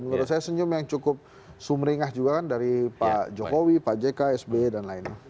menurut saya senyum yang cukup sumringah juga kan dari pak jokowi pak jk sby dan lainnya